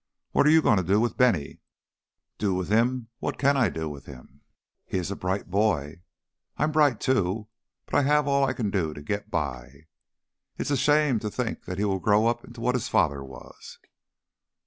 What are you going to do with Bennie?" "Do with him? What can I do with him?" "He is a bright boy." "I'm bright, too, but I have all I can do to get by." "It is a shame to think he will grow up into what his father was."